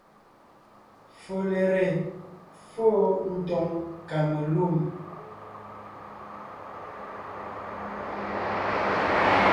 Folere fô tòŋ kamelûm,